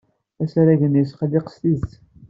Asarag-nni yesqelliq s tidet.